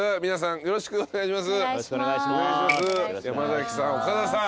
よろしくお願いします。